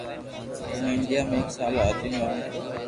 امو انڌيا مي ايڪ سال اجين آويو ھتو